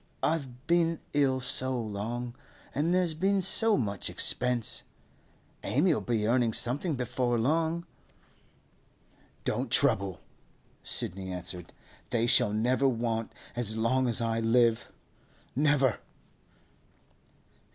'I've been ill so long, and there's been so much expense. Amy'll be earning something before long.' 'Don't trouble,' Sidney answered. 'They shall never want as long as I live—never!